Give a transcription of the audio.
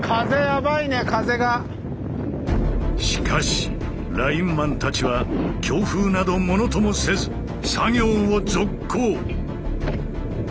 しかしラインマンたちは強風などものともせず作業を続行！